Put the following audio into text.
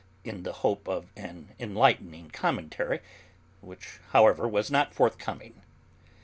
in the hope of an enlightening commentary, which, however, was not forthcoming.